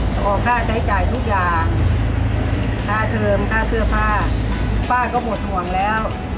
ขอค่าใช้จ่ายทุกอย่างค่าเทิมค่าเสื้อผ้าป้าก็หมดห่วงแล้ว